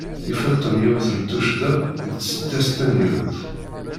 Yufa-d Tom yiwet n tuccḍa deg tsedast taneggarut.